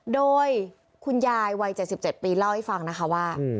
โดยคุณยายวัย๗๗ปีเล่าให้ฟังนะคะว่า